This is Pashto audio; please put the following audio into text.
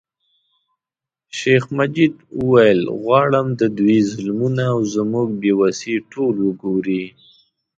شیخ مجید ویل غواړم د دوی ظلمونه او زموږ بې وسي ټول وګوري.